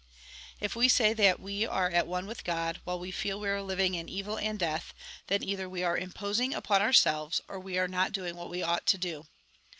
If we say that we are at one with God, while we feel we are living in evil and death, then either we are imposing upon ourselves, or we are not doing what we ought to do.